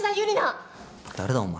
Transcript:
誰だお前。